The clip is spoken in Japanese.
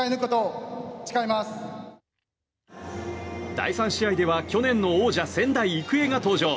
第３試合では去年の王者仙台育英が登場。